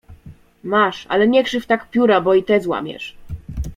— Masz, ale nie krzyw tak pióra, bo i tę złamiesz.